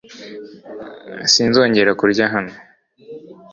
Sinzongera kurya hano .